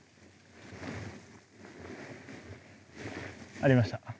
ありました。